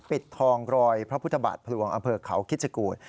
ปิดทองรอยพระพุทธบาทพระรวงอเผิกเขาคิดศกูต